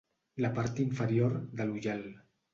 La part inferior de l'ullal.